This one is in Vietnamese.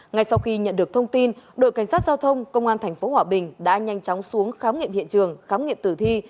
ngay sau khi nhận được thông tin đội cảnh sát giao thông công an tp hòa bình đã nhanh chóng xuống khám nghiệm hiện trường khám nghiệm tử thi